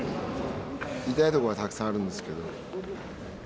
痛いところはたくさんあるんですけど。